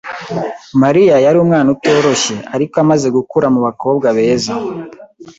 Mariya yari umwana utoroshye, ariko amaze gukura mubakobwa beza.